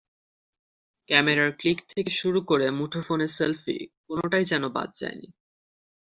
ক্যামেরার ক্লিক থেকে শুরু করে মুঠোফোনে সেলফি কোনোটাই যেন বাদ যায়নি।